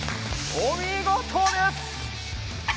お見事です！